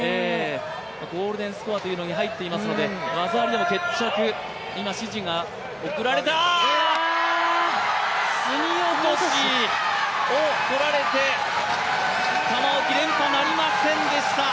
ゴールデンスコアに入っていますので技ありでも決着、今、指示が送られた、すみ落としをとられて、玉置、連覇なりませんでした。